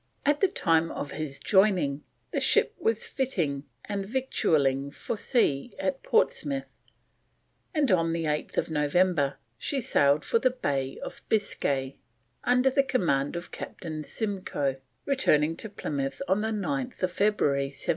At the time of his joining, the ship was fitting and victualling for sea at Portsmouth, and on 8th November she sailed for the Bay of Biscay, under the command of Captain Simcoe, returning to Plymouth on 9th February 1758.